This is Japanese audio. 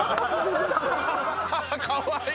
かわいい。